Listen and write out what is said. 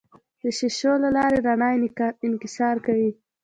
د شیشو له لارې رڼا انکسار کوي.